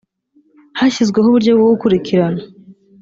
hashyizweho uburyo bwo gukurikirana